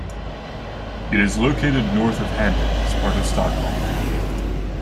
It is located north of Handen and is part of Stockholm.